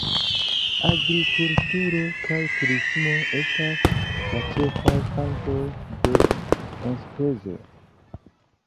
Agrikulturo kaj turismo estas la ĉefaj fontoj de enspezo.